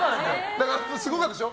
だからすごかったでしょ。